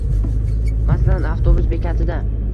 Masalan, avtobus bekatida